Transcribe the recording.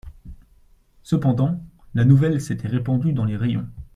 Cependant, la nouvelle s'était répandue dans les rayons.